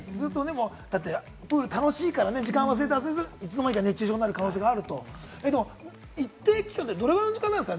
プール楽しいからね、時間を忘れて遊んでいつの間にか熱中症になる可能性があると、一定期間ってどれぐらいの時間ですか？